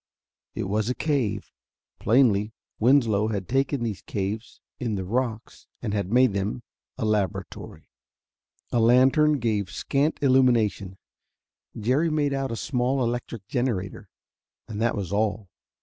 It was a cave. Plainly Winslow had taken these caves in the rocks and had made of them a laboratory. A lantern gave scant illumination: Jerry made out a small electric generator, and that was all.